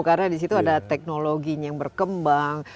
karena di situ ada teknologi yang berkembang